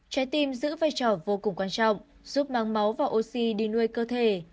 trái tim giữ vai trò vô cùng quan trọng giúp mang máu và oxy đi nuôi cơ thể